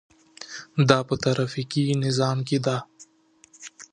دا په ټرافیکي نظام کې ده.